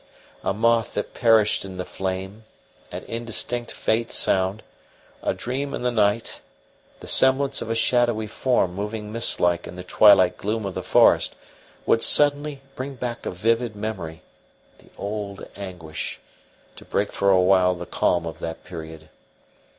A moth that perished in the flame; an indistinct faint sound; a dream in the night; the semblance of a shadowy form moving mist like in the twilight gloom of the forest, would suddenly bring back a vivid memory, the old anguish, to break for a while the calm of that period.